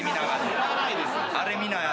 知らないですよ。